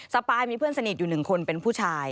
ปายมีเพื่อนสนิทอยู่๑คนเป็นผู้ชาย